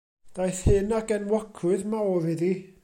Daeth hyn ag enwogrwydd mawr iddi.